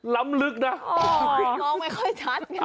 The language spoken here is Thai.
ล้ำลึกนะน้องไม่ค่อยชัดไง